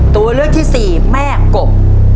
ตัวเลือกที่สี่แม่กบ